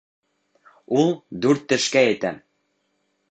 Ул дүрт тешкә етә.